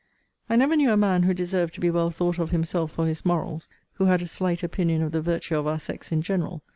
I never knew a man who deserved to be well thought of himself for his morals, who had a slight opinion of the virtue of our sex in general.